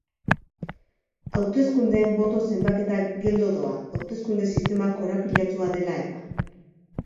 Hauteskundeen boto-zenbaketa geldo doa, hauteskunde-sistema korapilatsua dela-eta.